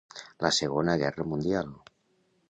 La Segona Guerra Mundial.